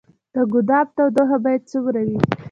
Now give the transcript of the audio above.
د ګدام تودوخه باید څومره وي؟